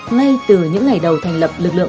ngay từ những ngày đầu thành lập lực lượng